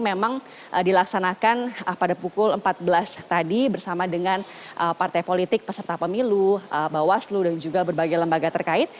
memang dilaksanakan pada pukul empat belas tadi bersama dengan partai politik peserta pemilu bawaslu dan juga berbagai lembaga terkait